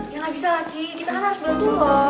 ya gak bisa ki kita kan harus bantu lo